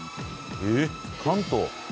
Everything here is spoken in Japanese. えっ？関東。